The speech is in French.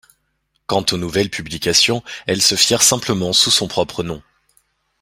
Quant aux nouvelles publications, elles se firent simplement sous son propre nom.